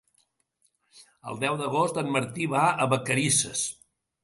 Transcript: El deu d'agost en Martí va a Vacarisses.